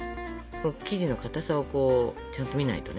生地のかたさをこうちゃんと見ないとね。